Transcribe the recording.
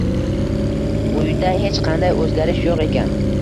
Uyda hech qanday oʻzgarish yoʻq ekan.